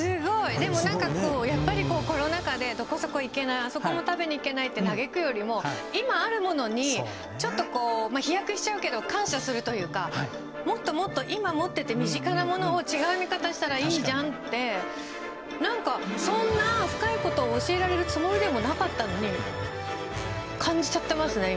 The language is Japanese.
でも何かこうやっぱりコロナ禍でどこそこ行けないあそこも食べに行けないって嘆くよりも今あるものにちょっと飛躍しちゃうけど感謝するというかもっともっと今持ってて身近なものを違う見方したらいいじゃんって何かそんな深いことを教えられるつもりでもなかったのに感じちゃってますね今！